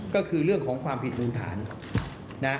ก็คือเรื่องของความผิดมูลฐานนะ